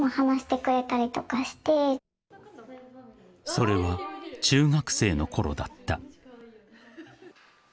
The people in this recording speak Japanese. ［それは中学生のころだった］